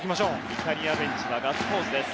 イタリアベンチはガッツポーズです。